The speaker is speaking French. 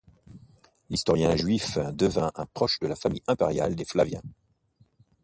L’historien juif devint un proche de la famille impériale des Flaviens.